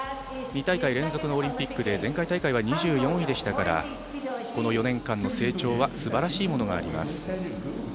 ２大会連続のオリンピックで前回大会は２４位でしたからこの４年間の成長はすばらしいものがあります。